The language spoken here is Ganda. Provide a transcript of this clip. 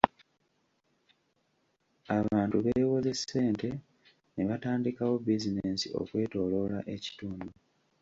Abantu beewoze ssente ne batandikawo buzinensi okwetooloola ekitundu.